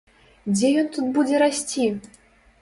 Дзе ён тут будзе расці?!